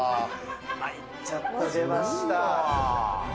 まいっちゃった出ました。